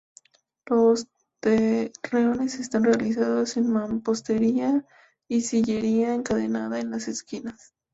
Los torreones están realizados en mampostería y sillería encadenada en las esquinas.